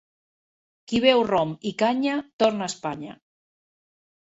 Qui beu rom i canya, torna a Espanya.